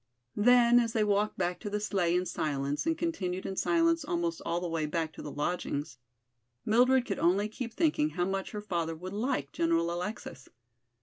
Then, as they walked back to the sleigh in silence and continued in silence almost all the way back to the lodgings, Mildred could only keep thinking how much her father would like General Alexis.